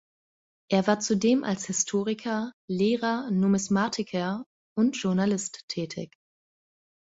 Er war zudem als Historiker, Lehrer, Numismatiker und Journalist tätig.